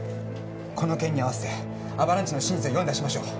この件に合わせてアバランチの真実を世に出しましょう。